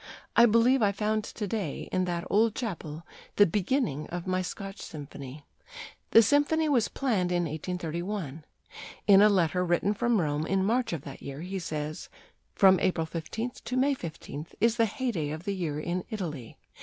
I believe I found to day in that old chapel the beginning of my Scotch symphony." The symphony was planned in 1831. In a letter written from Rome in March of that year he says: "From April 15th to May 15th is the heyday of the year in Italy.